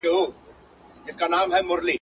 طبیعت د انسان زړه خوشحالوي